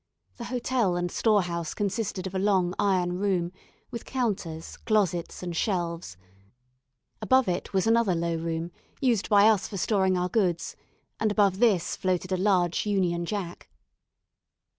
The hotel and storehouse consisted of a long iron room, with counters, closets, and shelves; above it was another low room, used by us for storing our goods, and above this floated a large union jack.